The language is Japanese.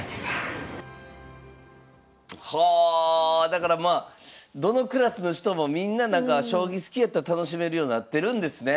だからまあどのクラスの人もみんななんか将棋好きやったら楽しめるようなってるんですね。